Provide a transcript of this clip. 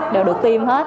đều được tiêm hết